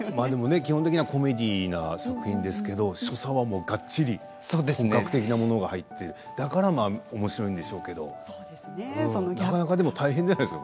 基本的にはコメディーの作品ですが所作はがっちり本格的なものが入ってだからおもしろいんでしょうけどなかなか大変じゃないですか？